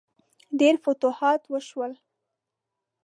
ډیر فتوحات وشول.